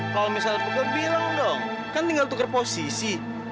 kalau misalnya aku bilang dong kan tinggal tuker posisi